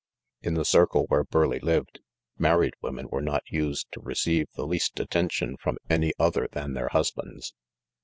In the circle where Burleigh lived, married women were not used to receive the least at tention from any* other than their husbands.